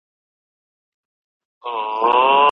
پوروړی مي رقیب دی عزراییله چي رانه سې